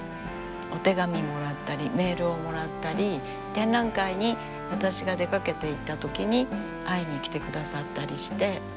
お手紙もらったりメールをもらったり展覧会に私が出かけていったときに会いに来てくださったりして。